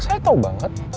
saya tahu banget